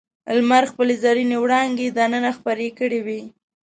لمر خپلې زرینې وړانګې دننه خپرې کړې وې.